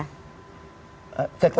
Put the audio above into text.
keikhlasan apa ya